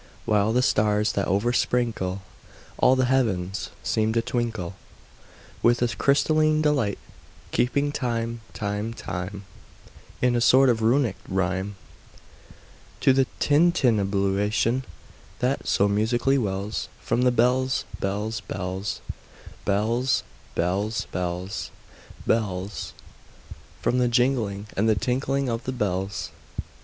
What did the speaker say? While the stars that oversprinkle All the heavens, seem to twinkle With a crystalline delight; Keeping time, time, time, In a sort of Runic rhyme, To the tintinnabulation that so musically wells From the bells, bells, bells, bells, Bells, bells, bells— From the jingling and the tinkling of the bells.